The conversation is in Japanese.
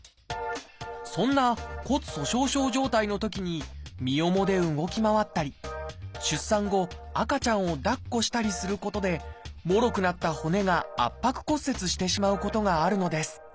そんな骨粗しょう症状態のときに身重で動き回ったり出産後赤ちゃんを抱っこしたりすることでもろくなった骨が圧迫骨折してしまうことがあるのです。